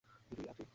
দুই আর দুই।